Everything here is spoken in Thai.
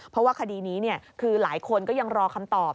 เพราะว่าคดีนี้คือหลายคนก็ยังรอคำตอบ